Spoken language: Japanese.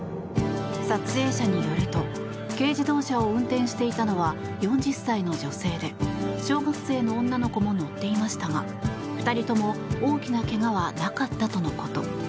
撮影者によると軽自動車を運転していたのは４０歳の女性で小学生の女の子も乗っていましたが２人とも大きな怪我はなかったとのこと。